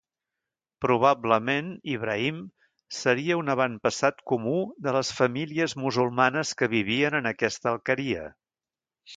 Probablement, Ibrahim seria un avantpassat comú de les famílies musulmanes que vivien en aquesta alqueria.